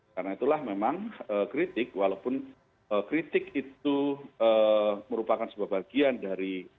karena itulah memang kritik walaupun kritik itu merupakan sebuah bagian dari